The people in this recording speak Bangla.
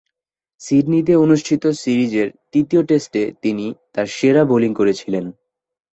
সিডনিতে অনুষ্ঠিত সিরিজের তৃতীয় টেস্টে তিনি তার সেরা বোলিং করেছিলেন।